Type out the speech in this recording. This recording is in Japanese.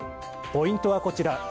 ポイントはこちら。